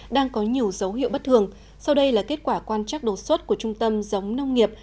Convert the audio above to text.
đang có nhiều dấu hiệu bất thường sau đây là kết quả quan trắc đột xuất của trung tâm giống nông nghiệp